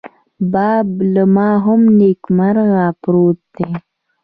باب لا هم نیمګړۍ پروت دی.